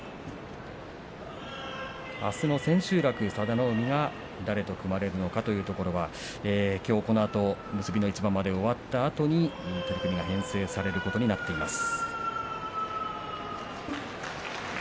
あすの千秋楽佐田の海は誰と組まれるのかというところはきょう、このあと結びの一番まで終わったあとに取組が編成されることになっています。